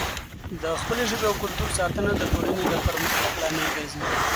د خپلې ژبې او کلتور ساتنه د ټولنې د پرمختګ لامل ګرځي.